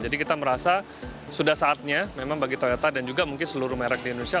jadi kita merasa sudah saatnya memang bagi toyota dan juga mungkin seluruh merek di indonesia